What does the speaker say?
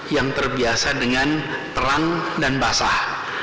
yang terbiasa dengan terang dan basah